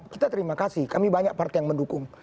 kita terima kasih kami banyak partai yang mendukung